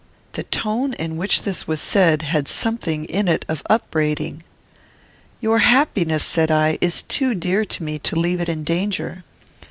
The tone in which this was said had something in it of upbraiding. "Your happiness," said I, "is too dear to me to leave it in danger.